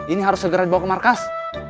ini harus segera dibawa ke markas